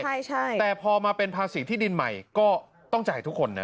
ใช่ใช่แต่พอมาเป็นภาษีที่ดินใหม่ก็ต้องจ่ายทุกคนนะ